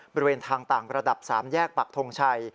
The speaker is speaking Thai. บริเวณทางต่างระดับ๓แยกปักทงชัย